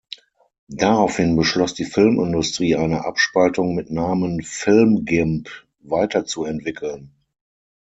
Daraufhin beschloss die Filmindustrie, eine Abspaltung mit Namen „Film Gimp“ weiterzuentwickeln.